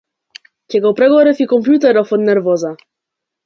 Ќе го прегорев и компјутеров од нервоза!